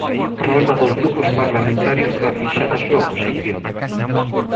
Rolda dos grupos parlamentarios para fixar a súa posición.